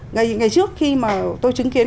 ngày trước khi mà tôi chứng kiến